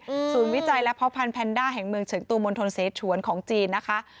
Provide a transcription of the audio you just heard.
ศูนย์วิจัยและพ่อพันธแนนด้าแห่งเมืองเฉิงตูมณฑลเสชวนของจีนนะคะ